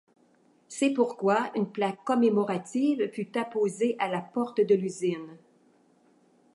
C'est pourquoi une plaque commémorative fut apposée à la porte de l'usine.